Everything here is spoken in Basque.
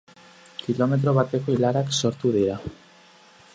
Kilometro bateko ilarak sortu dira.